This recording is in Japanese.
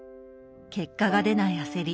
結果が出ない焦り